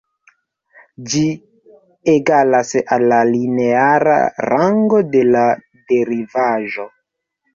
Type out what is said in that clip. Ĝi egalas al la lineara rango de la derivaĵo.